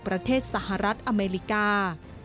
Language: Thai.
ประเทศสหรัฐอเมริกา